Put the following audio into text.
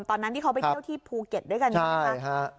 ตอนนั้นที่เขาไปเที่ยวที่ภูเก็ตด้วยกัน